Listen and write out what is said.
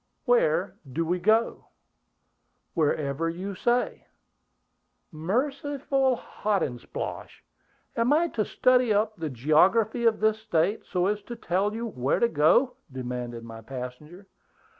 "Where do we go?" "Wherever you say." "Merciful Hotandsplosh! Am I to study up the geography of this State, so as to tell you where to go?" demanded my passenger.